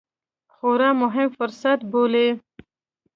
خورا مهم فرصت بولي